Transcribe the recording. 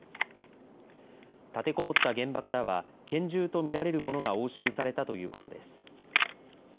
立てこもった現場からは拳銃と見られるものが押収されたということです。